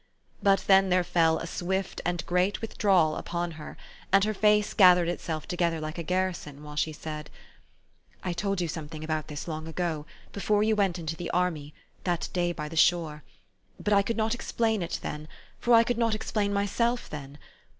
But then there fell a swift and great withdrawal upon her ; and her face gathered itself together like a garrison, while she said, " I told you something about this long ago, before you went into the army, that day by the shore ; but I could not explain it then, for I could not explain myself then.